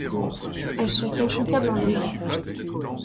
Elles sont consultables en ligne.